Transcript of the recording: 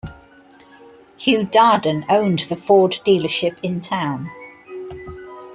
Hugh Darden owned the Ford dealership in town.